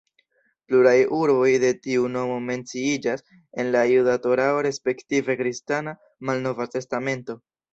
Pluraj urboj de tiu nomo menciiĝas en la juda torao respektive kristana malnova testamento.